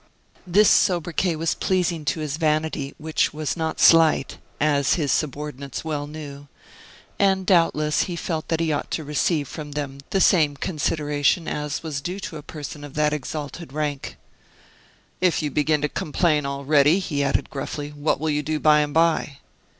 This sobriquet was pleasing to his vanity, which was not slight, as his subordinates well knew; and, doubtless, he felt that he ought to receive from them the same consideration as was due to a person of that exalted rank. "If you begin to complain already," he added, gruffly, "what will you do by and by?"